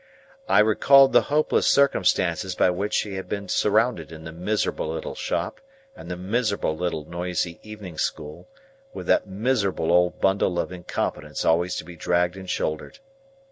I recalled the hopeless circumstances by which she had been surrounded in the miserable little shop and the miserable little noisy evening school, with that miserable old bundle of incompetence always to be dragged and shouldered.